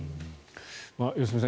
良純さん